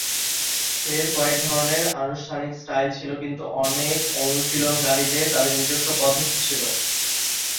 তের কয়েক ধরনের আনুষ্ঠানিক স্টাইল ছিল, কিন্তু অনেক অনুশীলনকারীদের তাদের নিজস্ব পদ্ধতি ছিল।